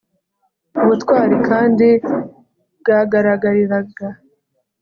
ubutwari kandi bwagaragariraga